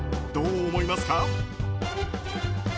どう思いますか？